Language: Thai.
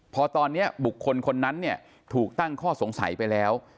พอตอนนี้บุคคลคนนั้นเนี่ยถูกตั้งข้อสงสัยไปแล้ว